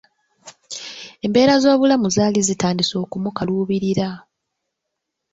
Embeera z'obulamu zaali zitandise okumukaluubirira.